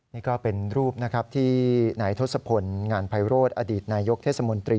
นี่ก็เป็นรูปนะครับที่นายทศพลงานภัยโรศอดิษฐ์นายกเทศมนตรีเทศมนตรี